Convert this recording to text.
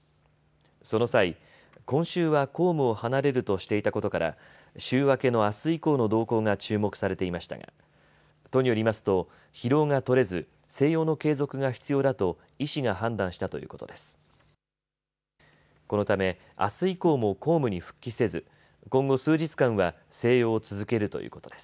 その際、今週は公務を離れるとしていたことから週明けのあす以降の動向が注目されていましたが都によりますと疲労が取れず静養の継続が必要だと医師が判断したということです。